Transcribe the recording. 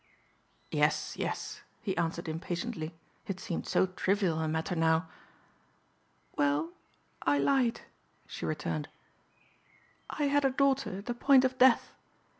"Yes, yes," he answered impatiently. It seemed so trivial a matter now. "Well, I lied," she returned, "I had a daughter at the point of death.